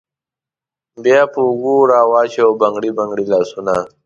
بیا په اوږو راوچوه بنګړي بنګړي لاسونه